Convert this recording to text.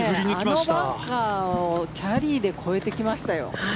あのバンカーをキャリーで越えてきましたよ。